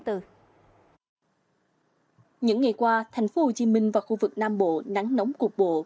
những ngày qua thành phố hồ chí minh và khu vực nam bộ nắng nóng cục bộ